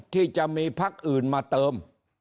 อาจจะจะไม่พักอิ่มมาเติม